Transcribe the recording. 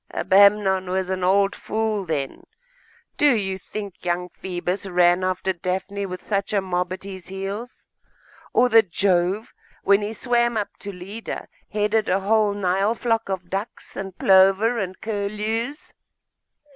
'Abamnon was an old fool, then. Do you think young Phoebus ran after Daphne with such a mob at his heels? or that Jove, when he swam up to Leda, headed a whole Nile flock of ducks, and plover, and curlews?